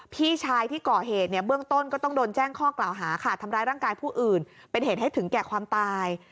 พี่ชายที่ก่อเหตุเนี่ยเบื้องต้นก็ต้องโดนแจ้งข้อกล่าวหาค่ะทำร้ายร่างกายผู้อื่นเป็นเหตุให้ถึงแก่ความตาย